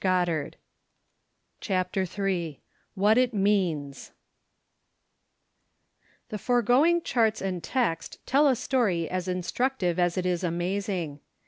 s a 48 CHAPTER III WHAT IT MEANS THE foregoing charts and text tell a story as instructive as it is amazing.